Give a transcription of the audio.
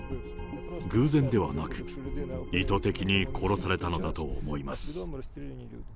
偶然ではなく、意図的に殺されたのだと思います。